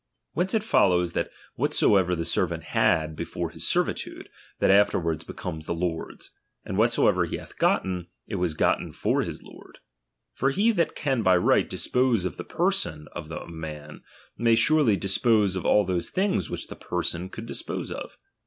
VVhence it follows, that whatsoever the servant liad before his servitude, that afterwards becomes tie lord's ; and whatsoever he hath gotten, it was g"otten for his lord. For he that can by right dispose of the perso7i of a man, may snrely dis pose of all those things which that person could •dispose of.